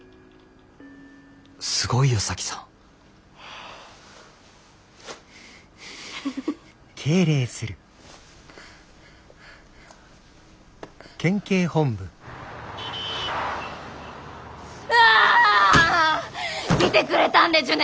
すごいよ沙樹さん。わ来てくれたんでちゅね！？